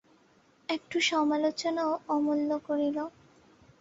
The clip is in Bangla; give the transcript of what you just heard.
একটু সমালোচনাও অমূল্য করিল।